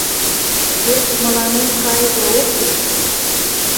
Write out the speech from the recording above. Вет мыланем кайыде ок лий.